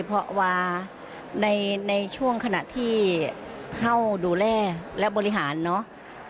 เพราะว่าในช่วงขณะที่เข้าดูแลและบริหารเนาะ